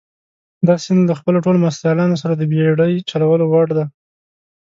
دا سیند له خپلو ټولو مرستیالانو سره د بېړۍ چلولو وړ دي.